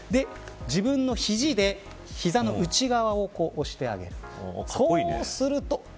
自分のひじで膝の内側を押してあげる。